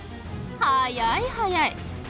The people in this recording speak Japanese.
速い速い！